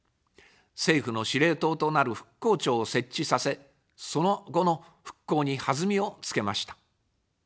政府の司令塔となる復興庁を設置させ、その後の復興に弾みをつけました。